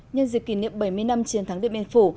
nhân dịp kỷ niệm bảy mươi năm chiến thắng điện biên phủ